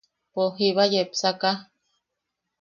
Pos jiba yepsaka.